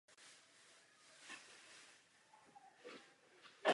K dnešku máme tyto dva případy.